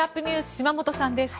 島本さんです。